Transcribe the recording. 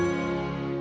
jangan jako dong